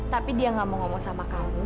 tapi dia gak mau ngomong sama kamu